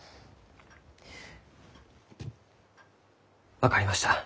分かりました。